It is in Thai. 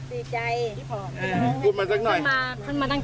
ทำไมพูดไม่ออกอ่ะลุง